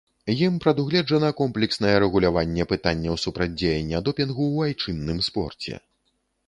Ім прадугледжана комплекснае рэгуляванне пытанняў супрацьдзеяння допінгу ў айчынным спорце.